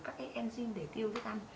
các cái enzyme để tiêu thức ăn